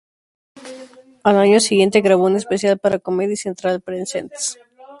Al año siguiente grabó un especial para "Comedy Central Presents".